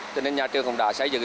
cho nên nhà trường không đả xây dựng